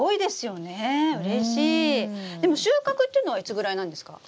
でも収穫っていうのはいつぐらいなんですか？